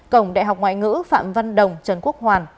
cổng đại học ngoại ngữ phạm văn đồng trần quốc hoàn